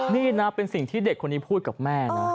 นี่นะเป็นสิ่งที่เด็กคนนี้พูดกับแม่นะ